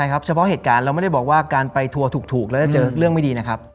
เราไม่ได้บอกว่าการไปทัวร์ถูกแล้วจะเจอเรื่องไม่ดีนะครับ